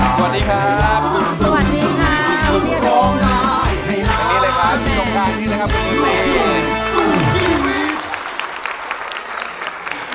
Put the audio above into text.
สวัสดีครับ